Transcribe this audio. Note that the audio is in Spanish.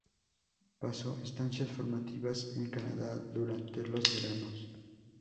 Pasó estancias formativas en Canadá durante los veranos.